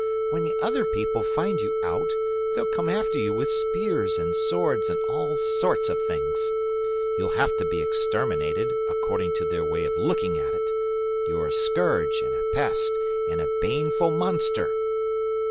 When the other people find you out, they'll come after you with spears and swords and all sorts of things. You'll have to be exterminated, according to their way of looking at it! You're a scourge, and a pest, and a baneful monster!"